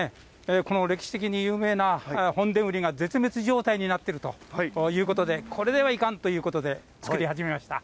この歴史的に有名な本田ウリが絶滅状態になっているということで、これではいかんということで、作り始めました。